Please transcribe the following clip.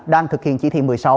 đang thực hiện chỉ thị một mươi sáu